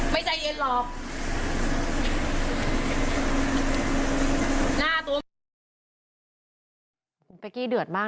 ไม่ใจเย็นหรอก